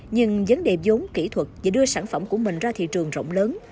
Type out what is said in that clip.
nhưng vấn đề giống kỹ thuật và đưa sản phẩm của mình ra thị trường rộng lớn